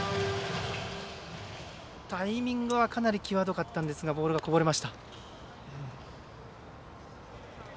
タイミングはかなり際どかったんですがボールがこぼれました。